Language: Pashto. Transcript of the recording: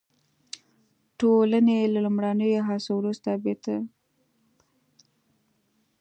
ټولنې له لومړنیو هڅو وروسته بېرته نابرابرۍ ته راګرځي.